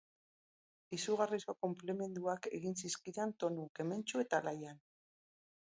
Izugarrizko konplimenduak egin zizkidan, tonu kementsu eta alaian.